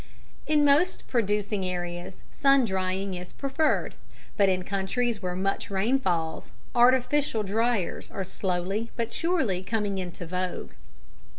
] In most producing areas sun drying is preferred, but in countries where much rain falls, artificial dryers are slowly but surely coming into vogue.